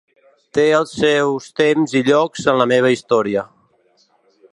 Té els seus temps i llocs en la meva història.